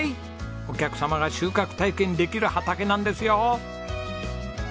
お客様が収穫体験できる畑なんですよ。